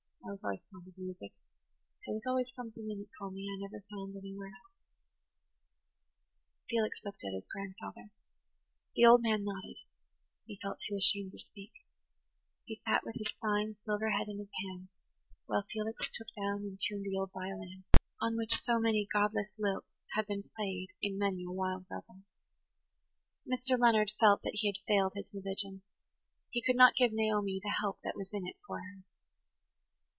I was always fond of music–there was always something in it for me I never found anywhere else." [Page 111] Felix looked at his grandfather. The old man nodded; he felt too ashamed to speak; he sat with his fine silver head in his hands, while Felix took down and tuned the old violin, on which so many godless lilts had been played in many a wild revel. Mr. Leonard felt that he had failed his religion. He could not give Naomi the help that was in it for her.